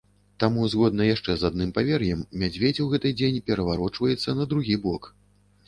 Таму згодна яшчэ з адным павер'ем, мядзведзь у гэты дзень пераварочваецца на другі бок.